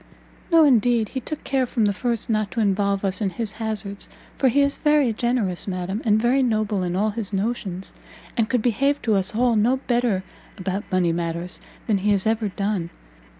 "No indeed; he took care from the first not to involve us in his hazards, for he is very generous, madam, and very noble in all his notions, and could behave to us all no better about money matters than he has ever done.